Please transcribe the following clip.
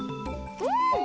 うん。